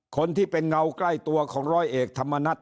คนที่เป็นเงาใกล้ตัวของร้อยเอกธรรมนัฐ